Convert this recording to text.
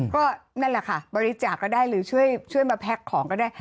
ก็นั่นแหละค่ะบริจาคก็ได้หรือช่วยมาแพ็คของก็ได้